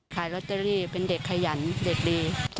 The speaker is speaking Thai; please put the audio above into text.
ขายลอตเตอรี่เป็นเด็กขยันเด็กดี